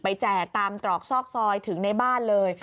แจกตามตรอกซอกซอยถึงในบ้านเลย